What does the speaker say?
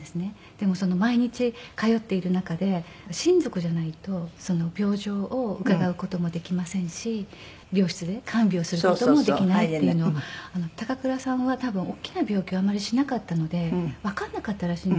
でも毎日通っている中で親族じゃないと病状を伺う事もできませんし病室で看病する事もできないっていうのを高倉さんは多分大きな病気をあまりしなかったのでわかんなかったらしいんです。